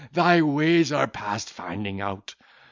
thy ways are past finding out."